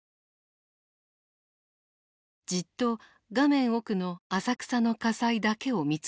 じっと画面奥の浅草の火災だけを見つめている。